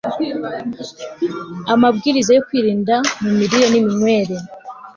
amabwiriza yo kwirinda mu mirire niminywere …